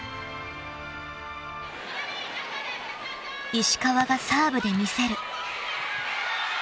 ［石川がサーブで魅せる］